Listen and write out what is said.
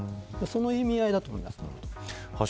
そういう意味合いだと思います。